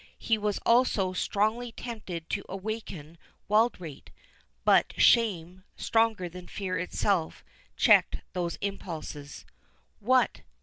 He was also strongly tempted to awaken Wildrake; but shame, stronger than fear itself, checked these impulses. What!